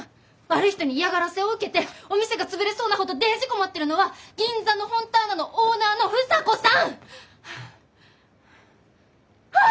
悪い人に嫌がらせを受けてお店が潰れそうなほどデージ困ってるのは銀座のフォンターナのオーナーの房子さん！は！